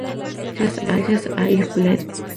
Gracias a "Airplane!